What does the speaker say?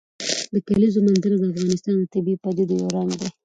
د کلیزو منظره د افغانستان د طبیعي پدیدو یو رنګ دی.